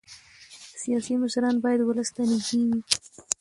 سیاسي مشران باید ولس ته نږدې وي